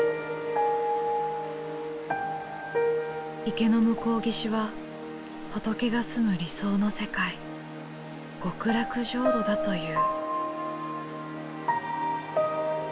池の向こう岸は仏が住む理想の世界極楽浄土だという。